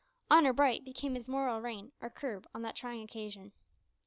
"Honour bright" became his moral rein, or curb, on that trying occasion.